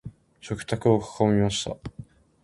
食卓を囲みました。